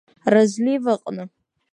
Разлив аҟны.